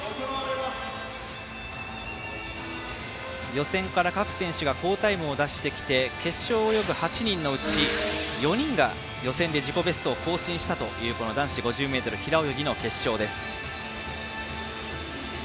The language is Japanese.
予選から各選手が好タイムを出してきて決勝を泳ぐ８人のうち４人が予選で自己ベストを更新したという男子５０ｍ平泳ぎの決勝です。